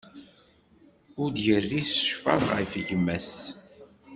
Ur d-iris ccfer ɣef gma-s.